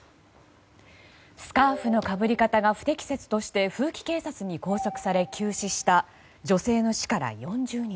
スカーフのかぶり方が不適切として風紀警察に拘束され急死した女性の死から４０日。